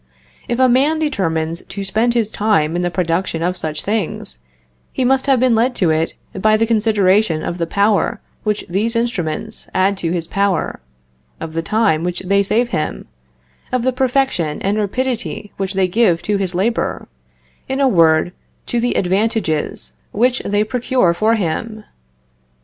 If a man determines to spend his time in the production of such things, he must have been led to it by the consideration of the power which these instruments add to his power; of the time which they save him; of the perfection and rapidity which they give to his labor; in a word, of the advantages which they procure for him.